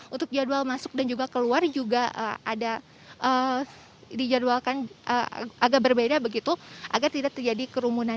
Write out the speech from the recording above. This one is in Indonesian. untuk jadwal masuk dan juga keluar juga ada dijadwalkan agak berbeda begitu agar tidak terjadi kerumunan